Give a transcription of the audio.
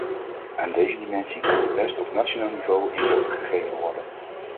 Aan deze dimensie kan het best op nationaal niveau invulling gegeven worden.